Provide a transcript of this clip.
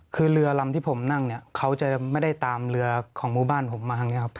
คือเรือลำที่ผมนั่งเนี่ยเขาจะไม่ได้ตามเรือของหมู่บ้านผมมาทางนี้ครับ